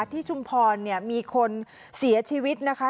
ที่ชุมพรมีคนเสียชีวิตนะคะ